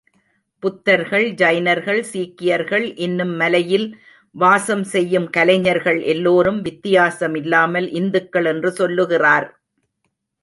புத்தர்கள், ஜைனர்கள், சீக்கியர்கள், இன்னும் மலையில் வாசம் செய்யும் கலைஞர்கள் எல்லோரும் வித்தியாசமில்லாமல் இந்துக்கள் என்று சொல்லுகிறார்.